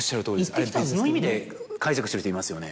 あれ別の意味で解釈してる人いますよね。